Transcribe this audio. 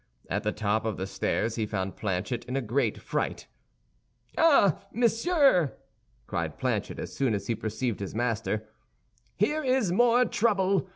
At the top of the stairs he found Planchet in a great fright. "Ah, monsieur!" cried Planchet, as soon as he perceived his master, "here is more trouble.